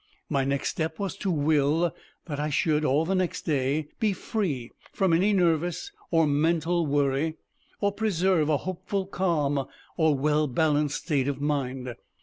My next step was to will that I should, all the next day, be free from any nervous or mental worry, or preserve a hopeful, calm, or well balanced state of mind.